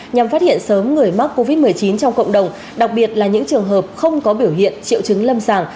nhằm phát hiện sớm người mắc covid một mươi chín trong cộng đồng đặc biệt là những trường hợp không có biểu hiện triệu chứng lâm sàng